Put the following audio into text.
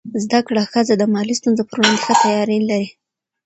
زده کړه ښځه د مالي ستونزو پر وړاندې ښه تیاری لري.